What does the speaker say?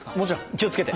気を付けて。